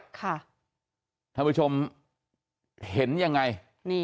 ท่านผู้ชมเห็นยังไง